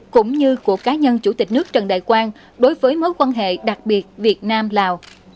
cũng như của cá nhân chủ tịch nước trần đại quang đối với mối quan hệ đặc biệt việt nam lào